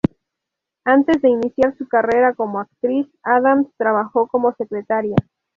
Antes de iniciar su carrera como actriz, Adams trabajó como secretaria.